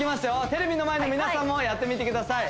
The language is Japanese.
テレビの前の皆さんもやってみてください